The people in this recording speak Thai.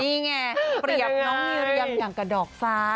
นี่ไงเปรียบน้องนิเรียมอย่างกับดอกฟ้า